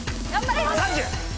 ３０！